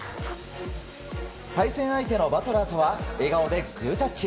対戦相手のバトラーとは笑顔でグータッチ。